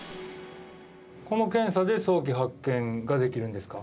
この検査で早期発見ができるんですか？